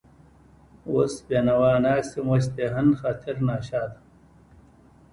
وس بېنوا ناست يم وچ دهن، خاطر ناشاده